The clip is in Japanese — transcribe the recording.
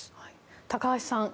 高橋さん